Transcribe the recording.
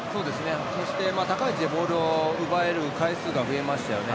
そして、高い位置でボールを奪える回数が増えましたね。